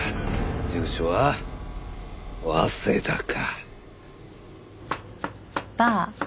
住所は早稲田か。